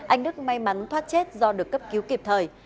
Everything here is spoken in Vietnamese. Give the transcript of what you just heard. anh đức may mắn thoát chết do được cấp cứu kịp thời